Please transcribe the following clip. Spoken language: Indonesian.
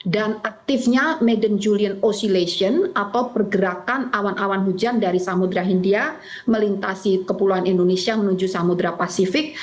dan aktifnya medan julian oscillation atau pergerakan awan awan hujan dari samudera india melintasi kepulauan indonesia menuju samudera pasifik